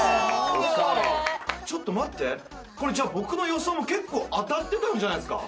ちょっと待って、僕の予想も結構当たってたんじゃないですか？